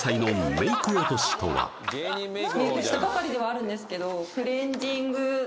メイクしたばかりではあるんですけどクレンジング